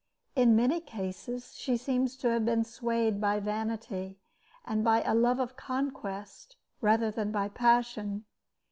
In many cases she seems to have been swayed by vanity, and by a love of conquest, rather than by passion.